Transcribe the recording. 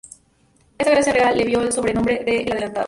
Esta gracia real le valió el sobrenombre de "El Adelantado".